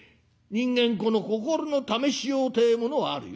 人間この心の試しようてえものはあるよ。